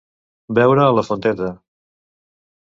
Beure a la fonteta.